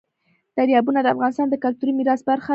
دریابونه د افغانستان د کلتوري میراث برخه ده.